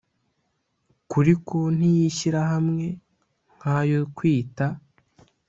kuri konti y ishyirahamwe nk ayo kwita